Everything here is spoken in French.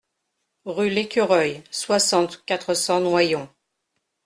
Rue l'Écureuil, soixante, quatre cents Noyon